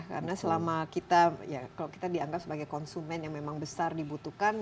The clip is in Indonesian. karena selama kita ya kalau kita dianggap sebagai konsumen yang memang besar dibutuhkan